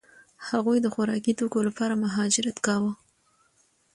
هغوی د خوراکي توکو لپاره مهاجرت کاوه.